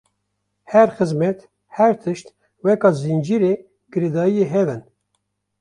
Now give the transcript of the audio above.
her xîzmet her tişt weka zincîrê girêdayî hev in.